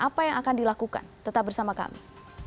apa yang akan dilakukan tetap bersama kami